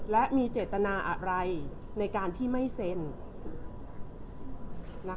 และมีเจตนาอะไรในการที่ไม่เซ็น